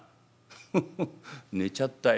フフフ寝ちゃったよ。